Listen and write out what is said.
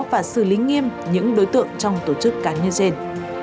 và xử lý nghiêm những đối tượng trong tổ chức cá nhân trên